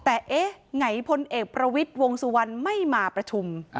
แต่เอ๊ะไหนพลเอกประวิทย์วงสุวรรณไม่มาประชุม